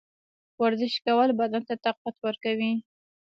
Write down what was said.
ورزش کول بدن ته طاقت ورکوي.